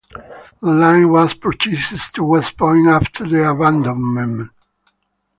The line was purchased to West Point after the abandonment.